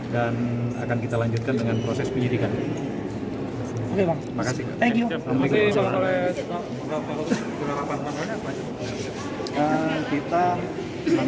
dan akan kita lanjutkan dengan proses penyidikan terima kasih terima kasih kalau ada banyak kita